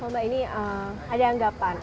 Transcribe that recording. mbak ini ada anggapan